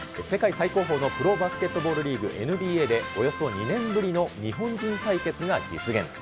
世界最高峰のプロバスケットボールリーグ・ＮＢＡで、およそ２年ぶりの日本人対決が実現。